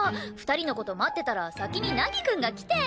２人の事待ってたら先に凪くんが来て。